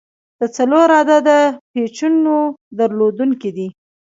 د څلور عدده پیچونو درلودونکی دی.